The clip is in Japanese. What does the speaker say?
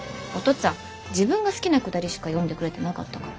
っつぁん自分が好きなくだりしか読んでくれてなかったから。